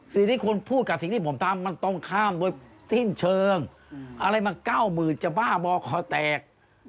สิ่งที่คุณพูดกับสิ่งที่ผมทำมันตรงข้ามโดยสิ้นเชิงอะไรมา๙๐๐๐จะบ้าบอคอแตก